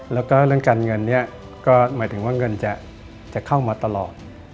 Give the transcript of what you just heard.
แล้วก็เรื่องการเงินนี้ก็หมายถึงว่าเงินจะเข้ามาตลอด